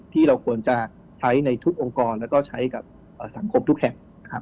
ที่เราควรจะใช้ในทุกองค์กรแล้วก็ใช้กับสังคมทุกแห่งนะครับ